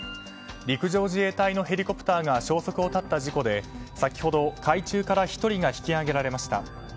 陸上自衛隊のヘリコプターが消息を絶った事故で先ほど海中から１人が引き揚げられました。